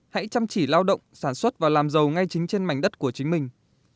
hãy chăm chỉ lao động sản xuất và làm giàu ngay chính trên mảnh đất của chính mình